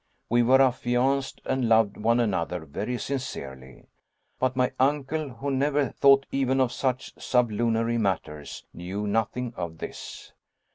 We were affianced, and loved one another very sincerely. But my uncle, who never thought even of such sublunary matters, knew nothing of this.